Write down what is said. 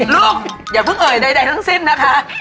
ลูกอย่าเพิ่งเอ่ยใดทั้งสิ้นนะคะ